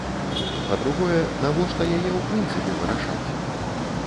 Па-другое, навошта яе ў прынцыпе вырашаць?